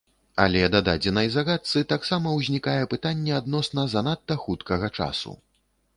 Але да дадзенай здагадцы таксама ўзнікае пытанне адносна занадта хуткага часу.